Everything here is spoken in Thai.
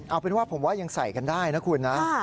เอาเป็นว่าผมว่ายังใส่กันได้นะคุณนะ